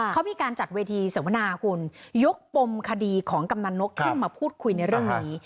เขามีการจัดเวทีเสวนาคุณยกปมคดีของกำนันนกขึ้นมาพูดคุยในเรื่องนี้